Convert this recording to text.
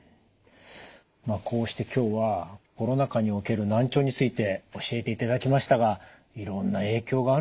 まあこうして今日はコロナ禍における難聴について教えていただきましたがいろんな影響があるもんですね。